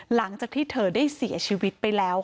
หลังจากที่เธอได้เสียชีวิตไปแล้ว